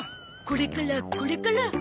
これからこれから。